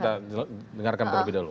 kita dengarkan terlebih dahulu